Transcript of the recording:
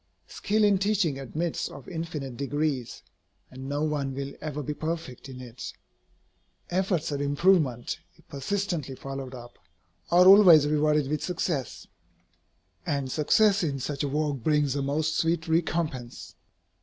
Skill in teaching admits of infinite degrees, and no one will ever be perfect in it. Efforts at improvement, if persistently followed up, are always rewarded with success, and success in such a work brings a most sweet recompense.